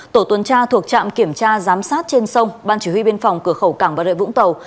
tổ tuần tra thuộc trạm kiểm tra giám sát trên sông ban chỉ huy biên phòng cửa khẩu cảng bà rệ vũng tàu